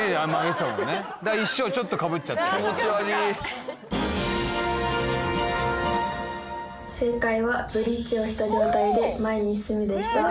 一緒ちょっとかぶっちゃった気持ち悪い正解はブリッジをした状態で前に進むでした